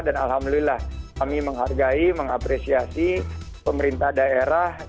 dan alhamdulillah kami menghargai mengapresiasi pemerintah daerah